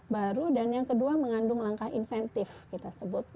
baru dan yang kedua mengandung langkah inventif kita sebut